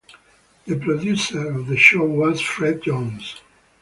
The producer of the show was Fred Jones.